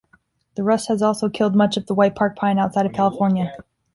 The rust has also killed much of the whitebark pine outside of California.